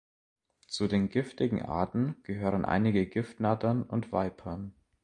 Zu den giftigen Arten gehören einige Giftnattern und Vipern.